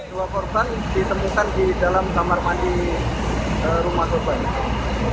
dua korban ditemukan di dalam kamar mandi rumah korban itu